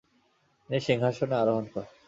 তিনি সিংহাসনে আরোহণ করেন।